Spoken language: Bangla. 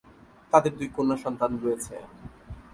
তাদের দুই কন্যা সন্তান রয়েছে।